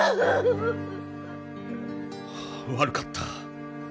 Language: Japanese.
悪かった。